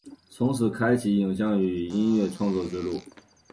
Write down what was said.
从此开启影像与音乐创作之路。